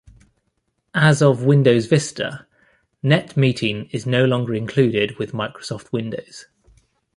As of Windows Vista, NetMeeting is no longer included with Microsoft Windows.